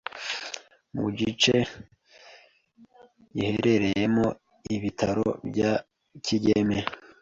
Mu gice giherereyemo Ibitaro bya Kigeme,